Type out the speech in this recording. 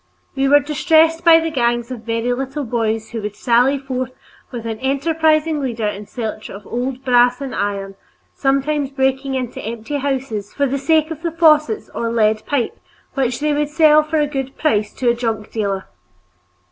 We were distressed by the gangs of very little boys who would sally forth with an enterprising leader in search of old brass and iron, sometimes breaking into empty houses for the sake of the faucets or lead pipe which they would sell for a good price to a junk dealer.